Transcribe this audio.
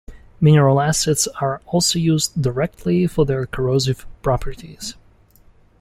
Mineral acids are also used directly for their corrosive properties.